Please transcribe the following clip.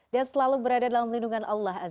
dan selalu berada dalam lindungan allah